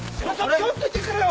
ちょっと行ってくるよ！